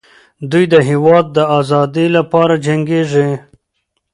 دوی د هېواد د ازادۍ لپاره جنګېږي.